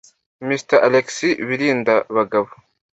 Mgr Alexis Birindabagabo